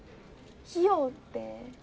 費用って。